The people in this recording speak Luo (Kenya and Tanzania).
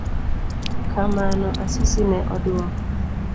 Kamano, Asisi ne oduoko